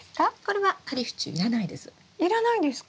要らないんですか？